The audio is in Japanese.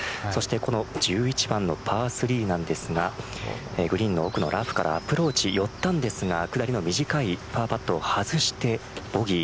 この１１番のパー３なんですがグリーンの奥のラフからアプローチ寄ったんですが下りの短いパーパットを外してボギー。